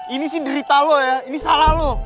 ini sih derita lu ya ini salah lo